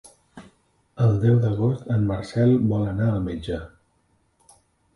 El deu d'agost en Marcel vol anar al metge.